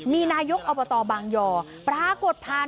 มีนายกอปเตา์บางยอประหากฎผ่าน